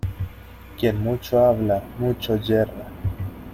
Quien mucho habla, mucho yerra.